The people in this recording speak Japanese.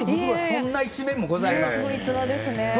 そんな一面もございます。